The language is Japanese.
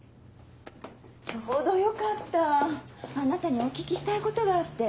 ちょうどよかったあなたにお聞きしたいことがあって。